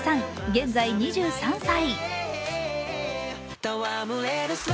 現在２３歳。